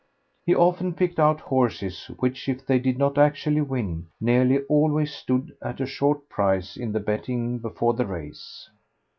He often picked out horses which, if they did not actually win, nearly always stood at a short price in the betting before the race.